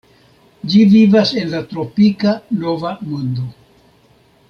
Ĝi vivas en la tropika Nova Mondo.